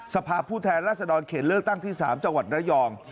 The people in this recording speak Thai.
สภาพผู้แทนรัศดรเขตเลือกตั้งที่๓จังหวัดระยอง